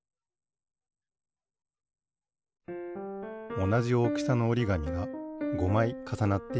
おなじおおきさのおりがみが５まいかさなっています。